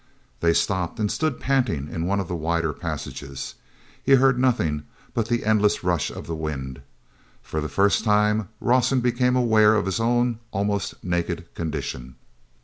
hey stopped and stood panting in one of the wider passages. He heard nothing but the endless rush of the wind. For the first time Rawson became aware of his own almost naked condition.